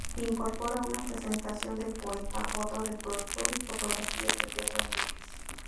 Incorpora una presentación del poeta, otra del productor y fotografías de Pedro Enríquez.